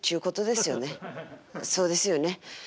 そうですよね。